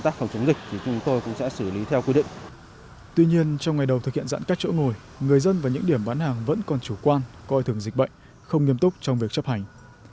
tuy nhiên trong ngày đầu thực hiện giãn cách chỗ ngồi người dân và những điểm bán hàng vẫn còn chủ quan coi thường dịch bệnh không nghiêm túc trong việc chấp hành